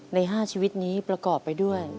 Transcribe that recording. ใน๕ชีวิตนี้ประกอบไปด้วย